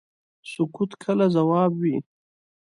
سکوت کله ځواب وي.